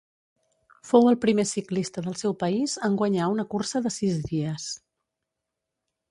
Fou el primer ciclista del seu país en guanyar una cursa de sis dies.